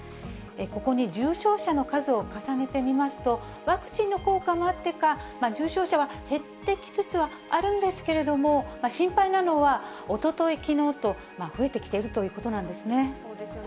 ここに重症者の数を重ねてみますと、ワクチンの効果もあってか、重症者は減ってきつつはあるんですけれども、心配なのは、おととい、きのうと増えてきているということなんですね。